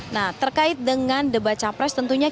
nah terkait dengan debat capres tentunya